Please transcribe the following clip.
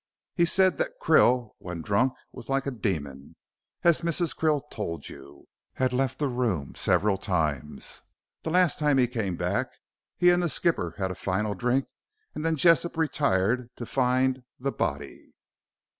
He said that Krill when drunk, and like a demon, as Mrs. Krill told you, had left the room several times. The last time he came back, he and the skipper had a final drink, and then Jessop retired to find the body.